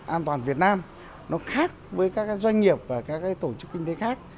an toàn việt nam nó khác với các doanh nghiệp và các tổ chức kinh tế khác